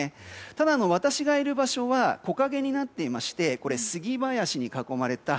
ただ、私がいる場所は木陰になっていまして杉林に囲まれた